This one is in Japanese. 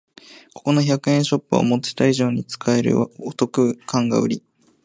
ここの百均ショップは思ってた以上に使えるお得感がウリ